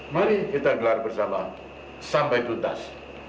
mari kita gelar bersama sampai tuntas